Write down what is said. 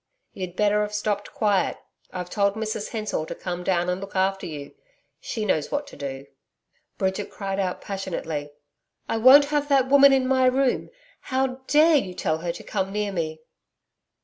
'You'd better have stopped quiet. I've told Mrs Hensor to come down and look after you. She knows what to do.' Bridget cried out passionately: 'I won't have that woman in my room. How dare you tell her to come near me.'